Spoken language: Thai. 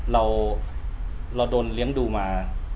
เราโดนเลี้ยงดูมา